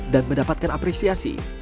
dan mendapatkan apresiasi